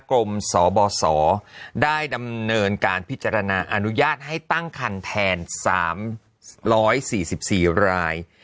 กรมสบได้ดำเนินการพิจารณาอนุญาตให้ตั้งคันแทนสามร้อยสี่สิบสี่ราย